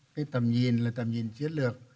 cái tầm nhìn là tầm nhìn chiến lược